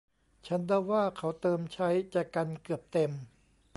ฉันเดาว่าเขาเติมใช้แจกันเกือบเต็ม